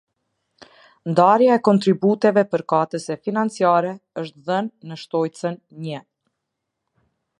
Ndarja e kontributeve përkatëse financiare është dhënë në Shtojcën I.